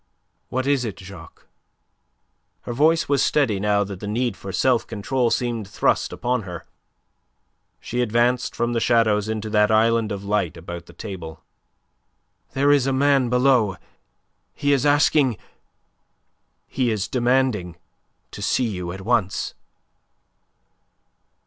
"What is it, Jacques!" Her voice was steady now that the need for self control seemed thrust upon her. She advanced from the shadows into that island of light about the table. "There is a man below. He is asking... he is demanding to see you at once."